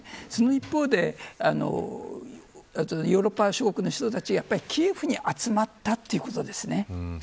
その一方でヨーロッパ諸国の人たちキエフに集まったということですね。